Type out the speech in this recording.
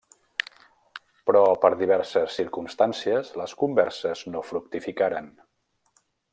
Però per diverses circumstàncies les converses no fructificaren.